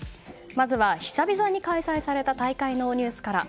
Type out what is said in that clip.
まずは久々に開催された大会のニュースから。